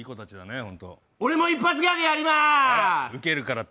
俺も一発ギャグやりまーす！